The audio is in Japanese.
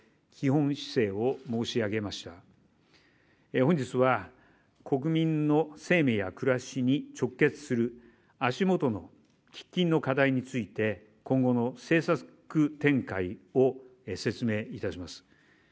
本日は国民の声明や暮らしに直結する足元の喫緊の課題について今後の政策展開を説明いたします。